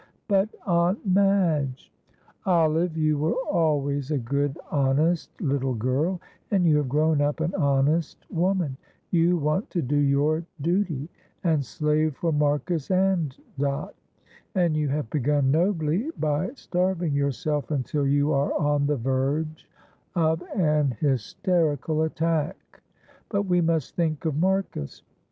"But, Aunt Madge " "Olive, you were always a good, honest little girl, and you have grown up an honest woman; you want to do your duty and slave for Marcus and Dot, and you have begun nobly by starving yourself until you are on the verge of an hysterical attack, but we must think of Marcus.